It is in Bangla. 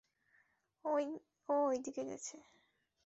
ও ঐদিকে গেছে!